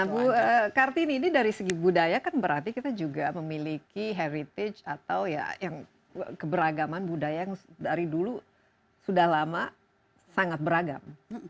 nah bu kartini ini dari segi budaya kan berarti kita juga memiliki heritage atau ya yang keberagaman budaya yang dari dulu sudah lama sangat beragam